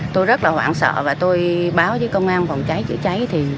tôi rất là hoảng sợ và tôi báo với công an phòng cháy chữa cháy